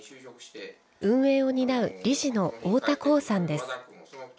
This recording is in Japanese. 運営を担う理事の太田興さんです。